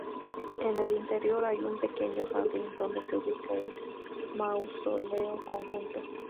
En el interior hay un pequeño jardín donde se ubica el mausoleo conjunto.